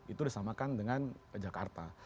itu disamakan dengan jakarta